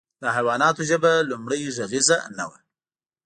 د حیواناتو ژبه لومړۍ غږیزه نه وه.